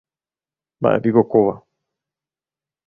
Mba'épiko kóva.